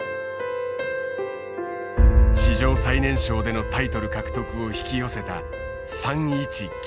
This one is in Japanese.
史上最年少でのタイトル獲得を引き寄せた３一銀。